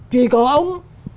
chỉ có ông